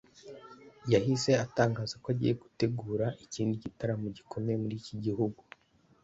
yahise atangaza ko agiye gutegura ikindi gitaramo gikomeye muri iki gihugu